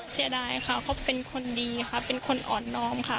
เสียดายค่ะเขาเป็นคนดีค่ะเป็นคนอ่อนน้อมค่ะ